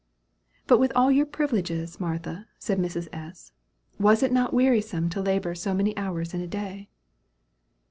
"But with all your privileges, Martha," said Mrs. S., "was it not wearisome to labor so many hours in a day?"